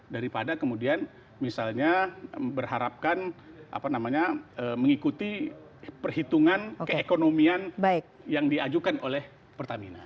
daripada kemudian misalnya berharapkan mengikuti perhitungan keekonomian yang diajukan oleh pertamina